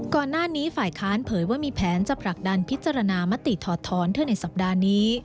ก่อนหน้านี้ฝ่ายค้านเผยว่ามีแผนจะผลักดันพิจารณามติถอดท้อนเธอในสัปดาห์นี้